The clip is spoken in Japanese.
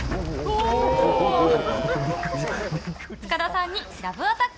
塚田さんにラブアタック！